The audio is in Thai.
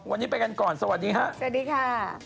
วันนี้ไปกันก่อนสวัสดีครับสวัสดีค่ะ